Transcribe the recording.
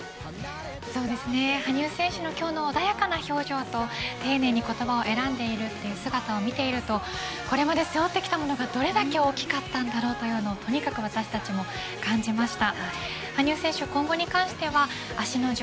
そうですね羽生選手の今日のおだやかな表情と丁寧に言葉を選んでいるという姿を見ているとこれまで背負ってきたものがどれだけ大きかったのだろうというのを、とにかく私たちも感じました。